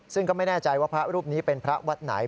ซึ่งก็ไม่แน่ใจว่าพระรูปนี้เป็นพระวัดไหน